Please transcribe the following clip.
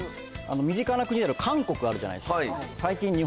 身近な国である韓国あるじゃないですか。